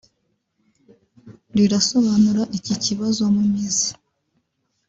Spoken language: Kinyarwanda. rirasobanura iki kibazo mu mizi